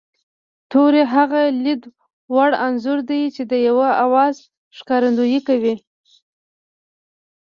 توری هغه لید وړ انځور دی چې د یوه آواز ښکارندويي کوي